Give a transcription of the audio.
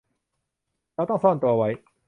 เราต้องซ่อนตัวไว้